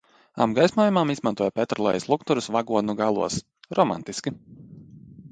Apgaismojumam izmantoja petrolejas lukturus vagonu galos, romantiski!